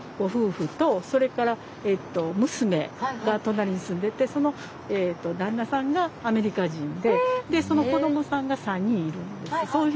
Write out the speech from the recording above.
が隣に住んでてその旦那さんがアメリカ人ででその子どもさんが３人いるんです。